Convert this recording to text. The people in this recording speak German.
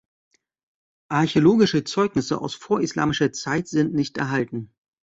Archäologische Zeugnisse aus vorislamischer Zeit sind nicht erhalten.